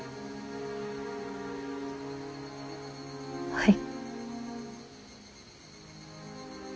はい。